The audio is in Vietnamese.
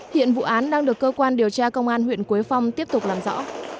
hiện vụ án đang được cơ quan điều tra công an huyện quế phong tiếp tục làm rõ